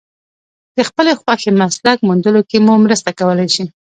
د خپلې خوښې مسلک موندلو کې مو مرسته کولای شي.